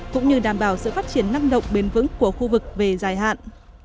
cũng như đảm bảo sự phát triển năng động bền vững của khu vực về dài hạn